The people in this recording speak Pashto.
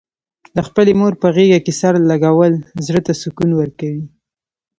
د خپلې مور په غېږه کې سر لږول، زړه ته سکون ورکوي.